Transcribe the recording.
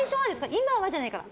今はじゃないから。